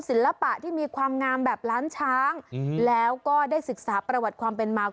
ศิลปะที่มีความงามแบบล้านช้างแล้วก็ได้ศึกษาประวัติความเป็นมา